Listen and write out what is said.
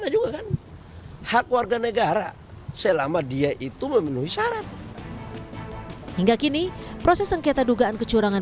juga kan hak warga negara selama dia itu memenuhi syarat hingga kini proses sengketa dugaan kecurangan